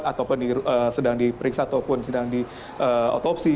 ataupun sedang diperiksa ataupun sedang diotopsi